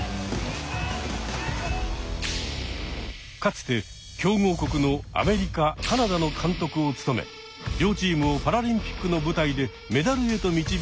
かつて強豪国のアメリカカナダの監督を務め両チームをパラリンピックの舞台でメダルへと導いた名将です。